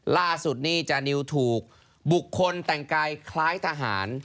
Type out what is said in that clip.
ล่าสุดนี่จานิวถูกบุคคลแต่งกายคล้ายทหาร